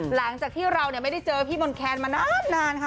หลังจากที่เราไม่ได้เจอพี่มนต์แคนมานานค่ะ